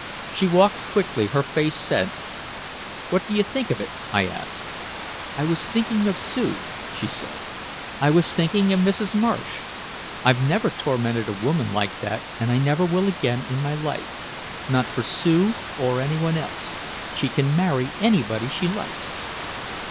She walked quickly, her face set. "What do you think of it?" I asked. "I wasn't thinking of Sue," she said. "I was thinking of Mrs. Marsh. I've never tormented a woman like that and I never will again in my life not for Sue or anyone else she can marry anybody she likes!"